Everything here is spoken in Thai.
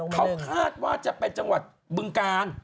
เขาคาดว่าจะไปจังหวัดบึงกาล